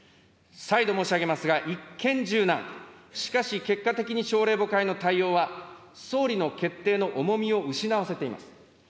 再度申し上げますが、一見柔軟、しかし結果的に朝令暮改の対応は、総理の決定の重みを失わせています。